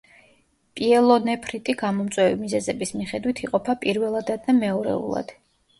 პიელონეფრიტი გამომწვევი მიზეზების მიხედვით იყოფა პირველადად და მეორეულად.